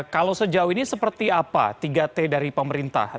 kalau sejauh ini seperti apa tiga t dari pemerintah